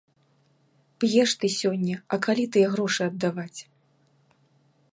П'еш ты сёння, а калі тыя грошы аддаваць?